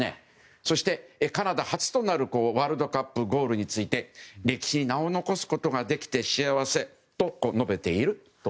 そして、カナダ初となるワールドカップゴールについて歴史に名を残すことができて幸せと述べていると。